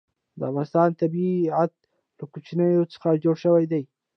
د افغانستان طبیعت له کوچیان څخه جوړ شوی دی.